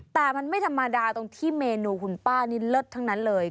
แต่มันไม่ธรรมดาตรงที่เมนูคุณป้านี่เลิศทั้งนั้นเลย